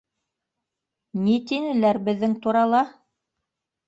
— Ни тинеләр беҙҙең турала?